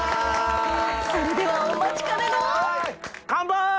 それではお待ちかねのカンパイ！